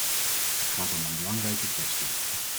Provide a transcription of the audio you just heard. Het gaat om een belangrijke kwestie.